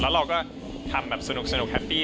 แล้วเราก็ทำแบบสนุกแฮปปี้